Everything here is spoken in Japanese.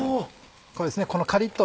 こうですねこのカリっと。